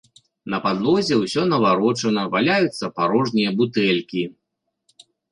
На падлозе ўсё наварочана, валяюцца парожнія бутэлькі.